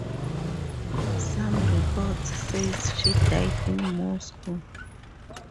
Some reports say she died in Moscow.